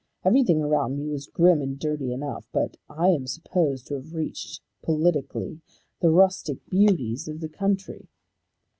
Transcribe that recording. Everything around me was grim and dirty enough, but I am supposed to have reached, politically, the rustic beauties of the country.